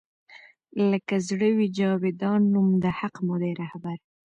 لــــــــــکه زړه وي جـــاویــــدان نــــوم د حــــق مو دی رهـــــــــبر